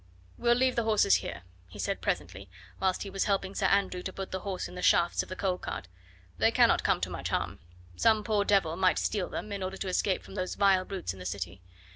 "We'll leave the horses here," he said presently, whilst he was helping Sir Andrew to put the horse in the shafts of the coal cart; "they cannot come to much harm. Some poor devil might steal them, in order to escape from those vile brutes in the city.